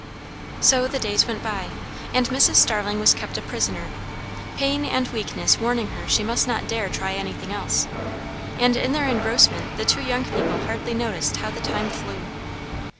So the days went by; and Mrs. Starling was kept a prisoner; pain and weakness warning her she must not dare try anything else. And in their engrossment the two young people hardly noticed how the time flew.